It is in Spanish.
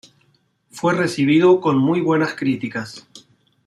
Fue recibido con muy buenas críticas.